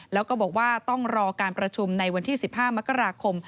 แล้วก็บอกว่าต้องรอการประชุมในวันที่๑๕มกราคม